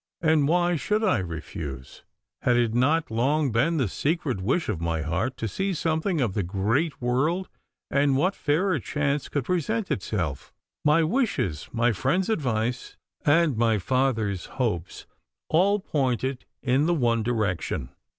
And why should I refuse? Had it not long been the secret wish of my heart to see something of the great world, and what fairer chance could present itself? My wishes, my friend's advice, and my father's hopes all pointed in the one direction.